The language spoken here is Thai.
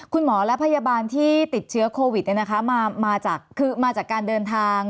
คุณหมอและพยาบาลที่ติดเชื้อโควิดมาคือมาจากการเดินทาง